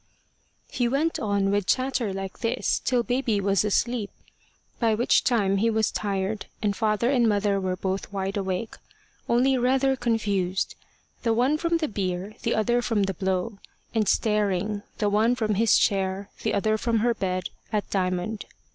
He went on with chatter like this till baby was asleep, by which time he was tired, and father and mother were both wide awake only rather confused the one from the beer, the other from the blow and staring, the one from his chair, the other from her bed, at Diamond.